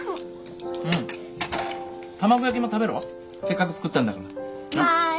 うん卵焼きも食べろせっかく作ったんだから。はい。